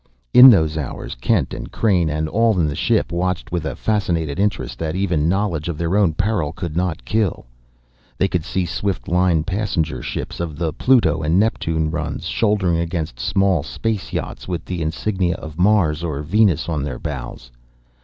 In those hours Kent and Crain and all in the ship watched with a fascinated interest that even knowledge of their own peril could not kill. They could see swift lined passenger ships of the Pluto and Neptune runs shouldering against small space yachts with the insignia of Mars or Venus on their bows.